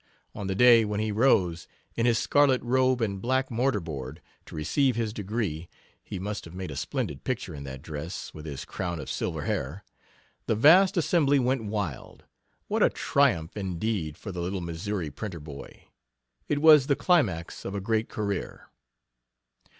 On the day when he rose, in his scarlet robe and black mortar board, to receive his degree (he must have made a splendid picture in that dress, with his crown of silver hair), the vast assembly went wild. What a triumph, indeed, for the little Missouri printer boy! It was the climax of a great career.